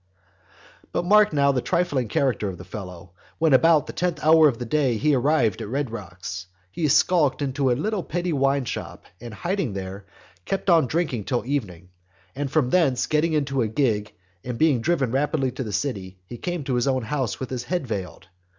XXXI. But mark now the trifling character of the fellow. When about the tenth hour of the day he had arrived at Red Rocks, he skulked into a little petty wine shop, and, hiding there, kept on drinking till evening. And from thence getting into a gig and being driven rapidly to the city, he came to his own house with his head veiled.